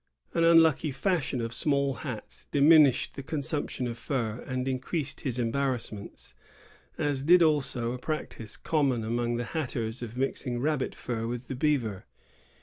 An unlucky fashion of small hats diminished the con sumption of fur and increased his embarrassments, as did also a practice common among the hatters of mixing rabbit fur with the beaver.